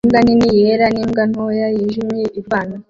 Imbwa nini yera nimbwa ntoya yijimye irwana